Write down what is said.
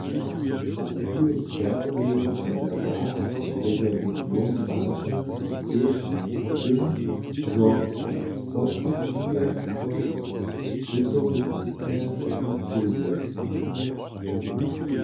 Biosferowy rezerwat je za region wažny tež w tym, zo sposrědkuje bytostne impulsy.